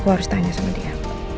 aku harus tanya sama dia